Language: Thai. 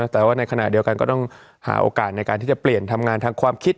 แต่ว่าในขณะเดียวกันก็ต้องหาโอกาสในการที่จะเปลี่ยนทำงานทางความคิด